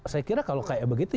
saya kira kalau seperti itu